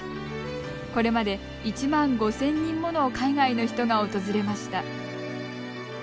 これまで、１万５０００人もの海外の人が訪れました。